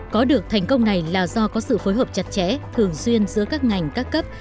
có được thành công này là do có sự phối hợp chặt chẽ thường xuyên giữa các ngành các cấp